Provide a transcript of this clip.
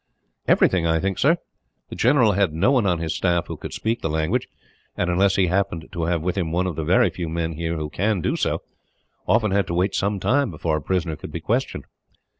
"Everything, I think, sir. The general had no one on his staff who could speak the language and, unless he happened to have with him one of the very few men here who can do so, often had to wait some time before a prisoner could be questioned."